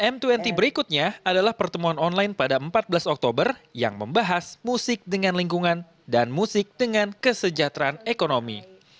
m dua puluh berikutnya adalah pertemuan online pada empat belas oktober yang membahas musik dengan lingkungan dan musik dengan kesejahteraan ekonomi